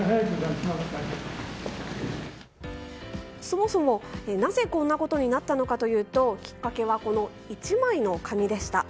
そもそも、なぜこんなことになったのかというときっかけは、この１枚の紙でした。